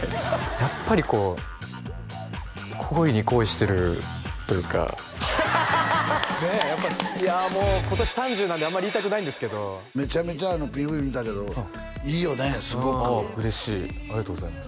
やっぱりこうねえやっぱいやあもう今年３０なんであんまり言いたくないんですけどめちゃめちゃＰＶ見たけどいいよねすごく嬉しいありがとうございます